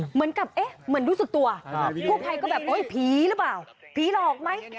เหมือนกับเอ๊ะเหมือนรู้สึกตัวกู้ภัยก็แบบโอ๊ยผีหรือเปล่าผีหลอกไหม